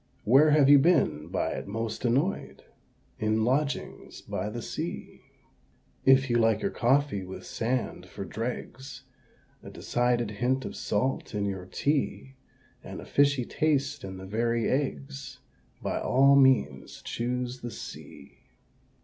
Where have you been by it most annoyed? In lodgings by the Sea. If you like your coffee with sand for dregs, A decided hint of salt in your tea, And a fishy taste in the very eggs By all means choose the Sea.